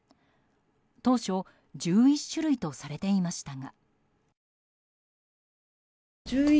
当初、１１種類とされていましたが。